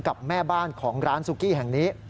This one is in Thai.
กับแม่บ้านของร้านซุกี้แห่งนี้